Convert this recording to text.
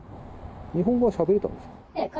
日本語はしゃべれたんですか。